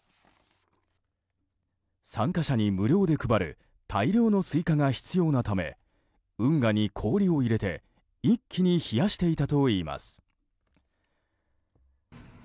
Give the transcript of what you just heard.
参加者に無料で配る大量のスイカが必要なため運河に氷を入れて一気に冷やしていたといいます。